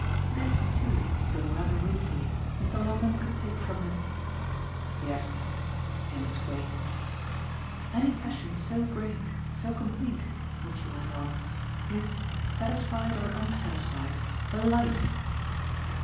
This too, though rather ruefully, Mr. Longdon could take from him. "Yes in its way." "Any passion so great, so complete," Mitchy went on, "is satisfied or unsatisfied a life."